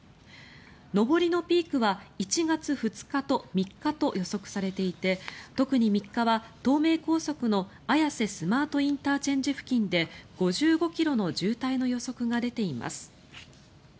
上りのピークは１月２日と３日と予測されていて特に３日は、東名高速の綾瀬スマートＩＣ付近で５５ｋｍの渋滞の予測が出ています。